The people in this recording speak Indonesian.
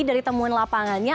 dari temuan lapangannya